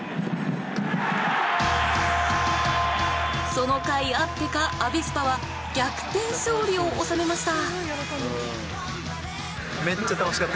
そのかいあってかアビスパは逆転勝利を収めました。